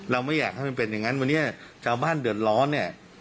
เราไม่อยากให้เป็นอย่างงั้นวางนี้จะบ้านเดินร้อน